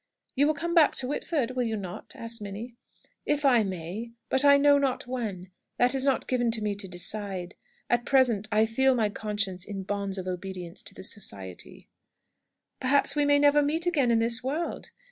'" "You will come back to Whitford, will you not?" asked Minnie. "If I may. But I know not when. That is not given me to decide. At present, I feel my conscience in bonds of obedience to the Society." "Perhaps we may never meet again in this world!"